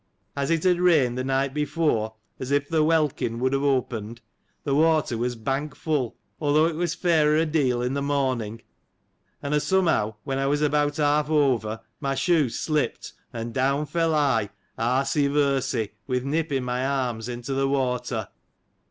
As it had rained the night before, as if the welkin would have opened, the water was bank full : although it was fairer a deal in the morning ; and a somehow, when I was about half over, my shoe slipped, and down fell I, arsey versey,^ with Nip in my arm's, into the water.